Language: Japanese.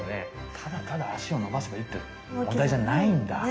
ただただあしをのばせばいいって問題じゃないんだ。